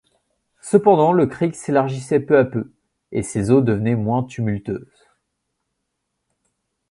Cependant, le creek s’élargissait peu à peu, et ses eaux devenaient moins tumultueuses.